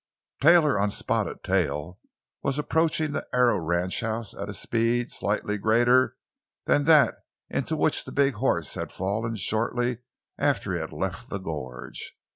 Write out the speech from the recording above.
Taylor, on Spotted Tail, was approaching the Arrow ranchhouse at a speed slightly greater than that into which the big horse had fallen shortly after he had left the gorge.